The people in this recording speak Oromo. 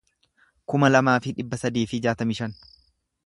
kuma lamaa fi dhibba sadii fi jaatamii shan